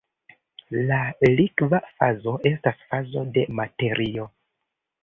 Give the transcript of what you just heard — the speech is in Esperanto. La "likva fazo" estas fazo de materio.